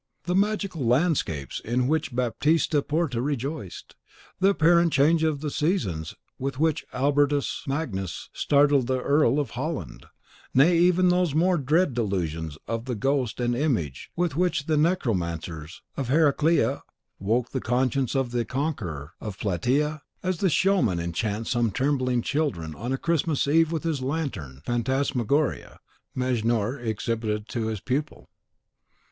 The magical landscapes in which Baptista Porta rejoiced; the apparent change of the seasons with which Albertus Magnus startled the Earl of Holland; nay, even those more dread delusions of the Ghost and Image with which the necromancers of Heraclea woke the conscience of the conqueror of Plataea (Pausanias, see Plutarch.), all these, as the showman enchants some trembling children on a Christmas Eve with his lantern and phantasmagoria, Mejnour exhibited to his pupil.